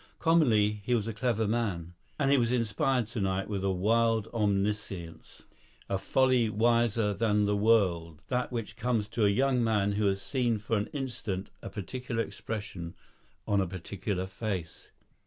Commonly he was a clever man, and he was inspired tonight with a wild omniscience, a folly wiser than the world, that which comes to a young man who has seen for an instant a particular expression on a particular face.